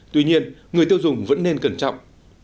tuy nhiên người tiêu dùng vẫn nên cẩn trọng